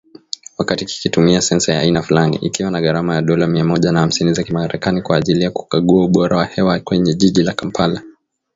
Wakati kikitumia sensa ya aina fulani, ikiwa na gharama ya dola mia moja na hamsini za kimarekani kwa ajili ya kukagua ubora wa hewa kwenye jiji la Kampala.